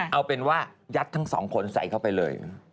เอาเป็นว่ายัดทั้งสองคนใส่เข้าไปเลย